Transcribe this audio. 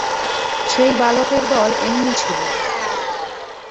সেই বালকের দল এমনি ছিল।